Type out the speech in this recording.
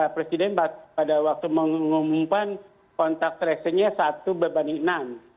presiden pada waktu mengumumkan kontak resinya satu berbanding enam